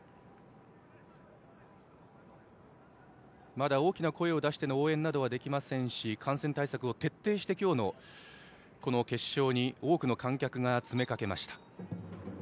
まだ大きな声を出しての応援などはできませんし感染対策を徹底して今日の決勝に多くの観客が詰め掛けました。